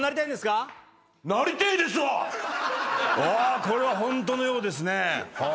あこれはホントのようですね。